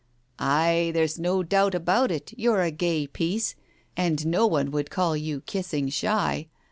"Ay, there's no doubt about it, you're a gay piece, and no one could call you kissing shy.